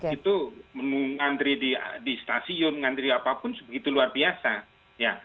itu mengantri di stasiun ngantri apapun itu luar biasa